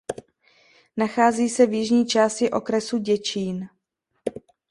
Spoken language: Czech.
Nachází se v jižní části okresu Děčín.